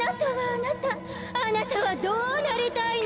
あなたはどうなりたいの？